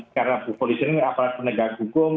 karena polisi ini aparat penegak hukum